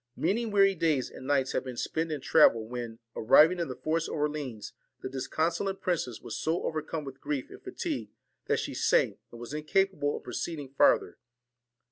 Many weary days and nights had been spent in travel, when, arriving in the forest of Orleans, the disconsolate princess was so overcome with grief and fatigue, that she sank, and was incapable of proceeding farther.